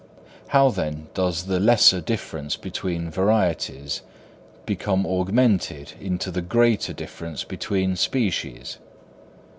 How, then, does the lesser difference between varieties become augmented into the greater difference between species?